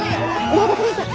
どいてください！